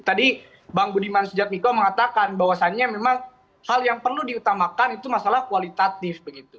tadi bang budiman sujadmiko mengatakan bahwasannya memang hal yang perlu diutamakan itu masalah kualitatif begitu